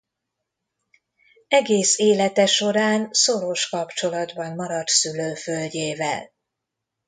Egész élete során szoros kapcsolatban maradt szülőföldjével.